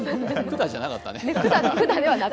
くだじゃなかったね。